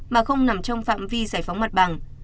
mà không nằm trong phạm vi giải phóng mặt bằng